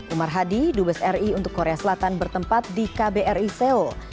umar hadi dubes ri untuk korea selatan bertempat di kbri seoul